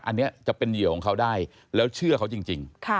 อันนี้จะเป็นเหยื่อของเขาได้แล้วเชื่อเขาจริง